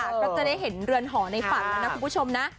เอาล่ะก็จะได้เห็นเรือนหอในฝันนะคุณผู้ชมนะ